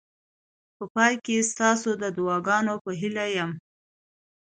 په پای کې ستاسو د دعاګانو په هیله یم.